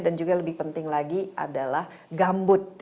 dan juga lebih penting lagi adalah gambut